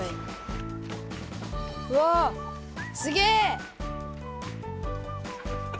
うわすげえ！